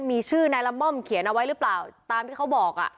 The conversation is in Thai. มีชื่อนายละม่อมเขียนเอาไว้หรือเปล่าตามที่เขาบอกอ่ะ